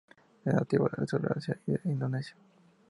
Es nativo del sur de Asia y de Indonesia.